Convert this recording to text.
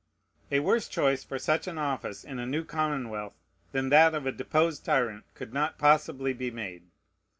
A worse choice for such an office in a new commonwealth than that of a deposed tyrant could not possibly be made.